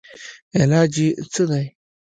علاج ئې څۀ دے